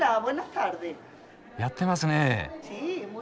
やってますね！